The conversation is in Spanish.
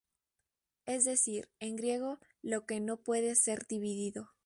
Es decir, en griego, lo que no puede ser dividido.